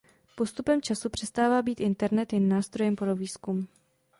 Postupem času přestává být internet jen nástrojem pro výzkum.